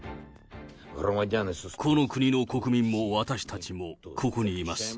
この国の国民も私たちもここにいます。